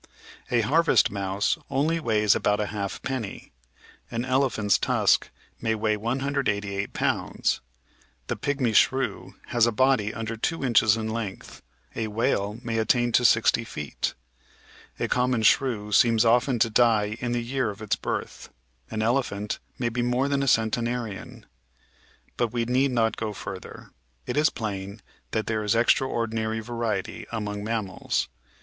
A harvest mouse only weighs about a halfpenny, an elephant's tusk may weigh 188 pounds. The Pigmy Shrew has a body under 2 inches in length, a whale may attain to 60 feet. A common shrew seems often to die in the year of its birth ; an elephant may be more than a centenarian. But we need not go further ; it is plain that there is extraordinary variety among mammals.